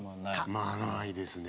まわらないですね。